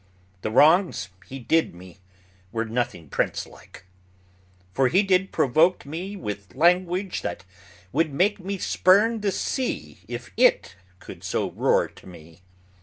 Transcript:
The wrongs he did me Were nothing prince like; for he did provoke me With language that would make me spurn the sea, If it could so roar to me.